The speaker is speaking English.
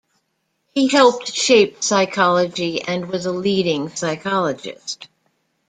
He helped shape psychology and was a leading psychologist.